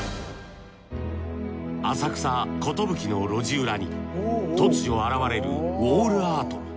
浅草寿の路地裏に突如現れるウォールアート。